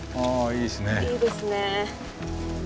いいですね。